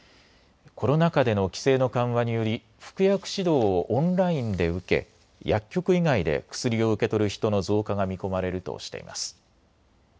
コロナ禍での規制の緩和により服薬指導をオンラインで受け薬局以外で薬を受け取る人の増加が見込まれるとしています。